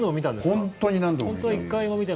本当に何度も見た。